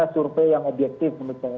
survei yang objektif menurut saya